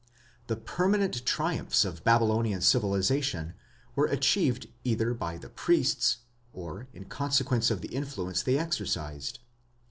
The permanent triumphs of Babylonian civilization were achieved either by the priests, or in consequence of the influence they exercised.